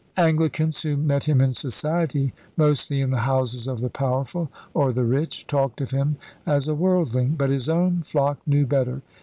Anglicans who met him in society, mostly in the houses of the powerful or the rich, talked of him as a worldling; but his own flock knew better.